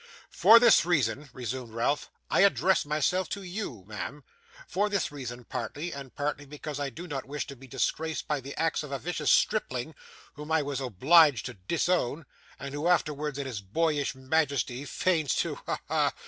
'For this reason,' resumed Ralph, 'I address myself to you, ma'am. For this reason, partly, and partly because I do not wish to be disgraced by the acts of a vicious stripling whom I was obliged to disown, and who, afterwards, in his boyish majesty, feigns to ha! ha!